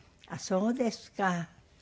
そうですか。